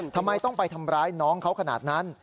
ทำไมต้องไปทำร้ายน้องเขาขนาดนั้น